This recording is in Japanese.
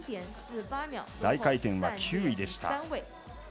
大回転は９位でした。